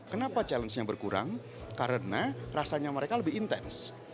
kenapa challenge nya berkurang karena rasanya mereka lebih intens